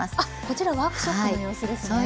こちらワークショップの様子ですね。